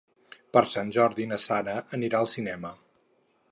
Per Sant Jordi na Sara anirà al cinema.